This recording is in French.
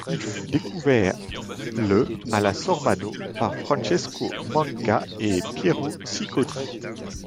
Il fut découvert le à Sormano par Francesco Manca et Piero Sicoli.